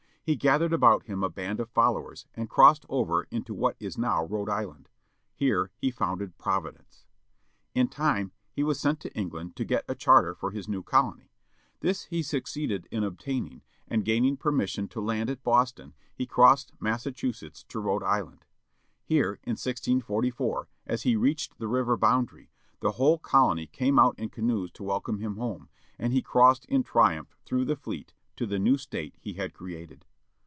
He gathered about him a band of followers, and crossed over into what is now Rhode Island. Here he founded Providence. In time he was sent to England, to get a charter for his new colony. This he succeeded in obtaining, and gaining permission to land at Boston, he crossed Massa chusetts, to Rhode Island. Here, in 1644, as he reached the river boundary, the whole colony came out in canoes to welcome him home, and he crossed in triumph through the fleet, to the new state he had created.